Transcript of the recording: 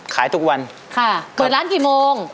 ขายทุกวันค่ะเปิดร้านกี่โมง